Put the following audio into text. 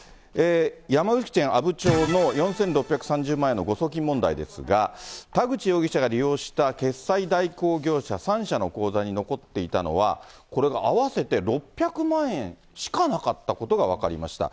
山口県阿武町の４６３０万円の誤送金問題ですが、田口容疑者が利用した決済代行業者３社の口座に残っていたのは、これが合わせて６００万円しかなかったことが分かりました。